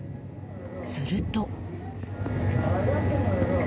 すると。